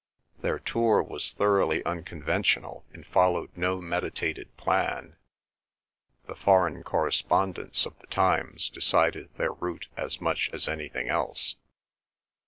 Their tour was thoroughly unconventional, and followed no meditated plan. The foreign correspondents of the Times decided their route as much as anything else.